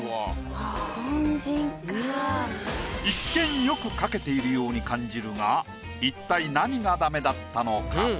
一見よく描けているように感じるが一体何がダメだったのか？